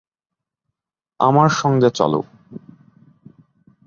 আমার সঙ্গে চলো।